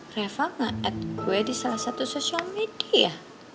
reva ngeliat gue di salah satu social media